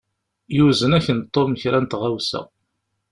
Yuzen-ak-n Tom kra n tɣawsa.